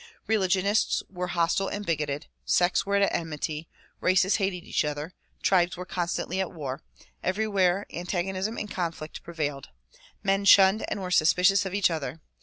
Religionists were hostile and bigoted, sects w^ere at enmity, races hated each other, tribes were constantly at war ; everywhere antag onism and conflict prevailed. Men shunned and were suspicious of each other.